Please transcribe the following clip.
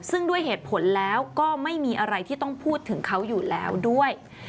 ซึ่งด้วยเหตุผลแล้วก็ไม่มีอะไรที่ต้องพูดถึงเขาอยู่แล้วด้วย